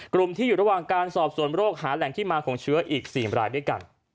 กลุ่มที่อยู่ระหว่างการสอบส่วนโรคหาแหล่งที่มาของเชื้ออีก๔รายด้วยกัน